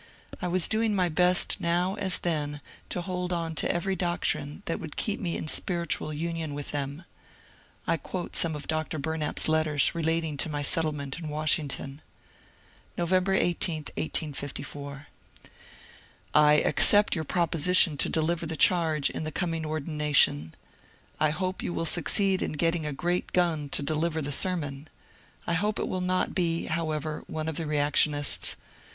I was doing my best now as then to hold on to every doctrine that would keep me in spiritual union with them. I quote some of Dr. Bumap's letters relating to my settlement in Washington :— Nov. 18, 1854. — I accept your proposition to deliver the charge in the coming ordination. I hope you will succeed in getting a great gun to deliver the sermon. I hope it will not be, however, one of the reactionists.